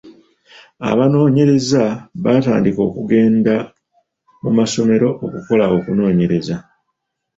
Abanoonyereza baatandika okugenda mu masomero okukola okunoonyereza.